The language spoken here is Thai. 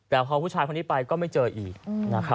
แต่พอผู้ชายคนนี้ไปก็ไม่เจออีก